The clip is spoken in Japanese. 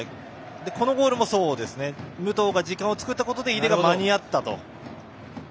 このゴールもそうですね武藤が時間を作ったことで井出が間に合ったと。